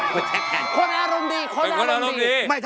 คนอารมณ์ดีคนอารมณ์ดีไม่จับกูโอโห